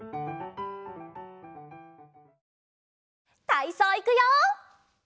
たいそういくよ！